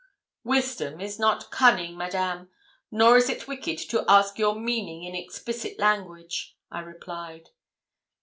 'Wisdom is not cunning, Madame; nor is it wicked to ask your meaning in explicit language,' I replied.